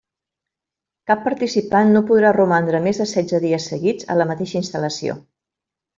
Cap participant no podrà romandre més de setze dies seguits a la mateixa instal·lació.